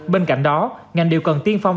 bên cạnh đó ngành điều cần tiên phong